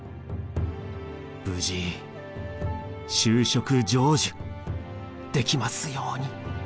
無事就職成就できますように。